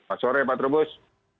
pak sorey pak trubus